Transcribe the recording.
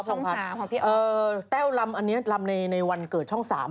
แต้วลำอันนี้ลำในวันเกิดช่อง๓